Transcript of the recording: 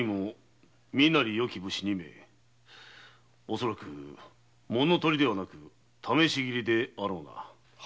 恐らく物盗りではなく試し斬りであろうな。